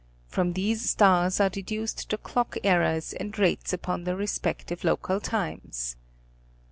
From these stars are deduced the clock errors and rates upon the respective local times.